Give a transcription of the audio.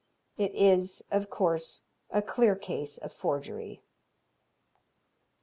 It is, of course, a clear case of forgery.